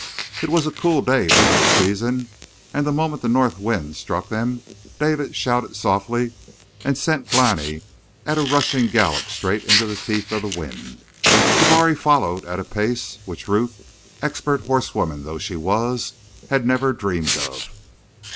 It was a cool day for that season, and the moment the north wind struck them David shouted softly and sent Glani at a rushing gallop straight into the teeth of the wind. Tabari followed at a pace which Ruth, expert horse woman though she was, had never dreamed of.